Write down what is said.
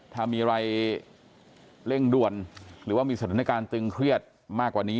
ถ้ามีอะไรเร่งด่วนหรือว่ามีสถานการณ์ตึงเครียดมากกว่านี้